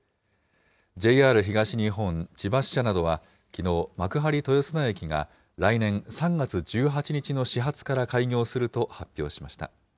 ＪＲ東日本千葉支社などは、きのう、幕張豊砂駅が来年３月１８日の始発から開業すると発表しました。